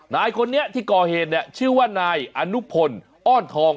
นายคนนี้ที่ก่อเหตุเนี่ยชื่อว่านายอนุพลอ้อนทอง